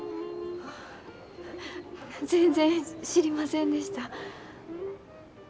あ全然知りませんでした。